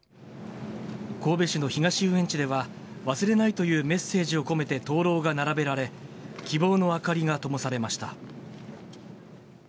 神戸市の東遊園地では、忘れないというメッセージを込めて灯籠が並べられ、希望の灯りがともされました。